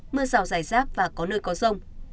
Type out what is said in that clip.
mưa rào dài ráp và có nơi có rông